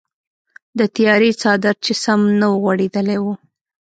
د تیارې څادر چې سم نه وغوړیدلی و.